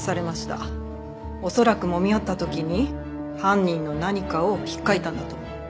恐らくもみ合った時に犯人の何かを引っかいたんだと思う。